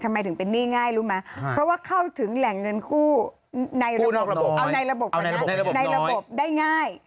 ทำไมถึงเป็นนี่ง่ายรู้ไหมเพราะว่าเข้าถึงแหล่งเงินคู่ในระบบได้ง่าย